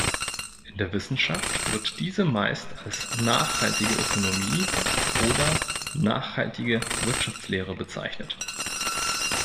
In der Wissenschaft wird diese meist als „Nachhaltige Ökonomie“ oder „Nachhaltige Wirtschaftslehre“ bezeichnet.